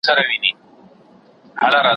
موږكانو ته معلوم د پيشو زور وو